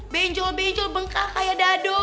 benjol benjol bengkak kayak dado